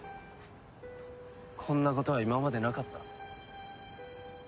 こんなことは今までなかった。